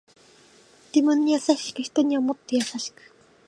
自分に優しく人にはもっと優しく